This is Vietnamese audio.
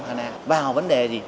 hana vào vấn đề gì